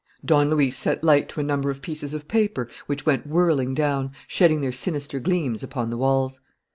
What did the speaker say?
Don Luis set light to a number of pieces of paper, which went whirling down, shedding their sinister gleams upon the walls.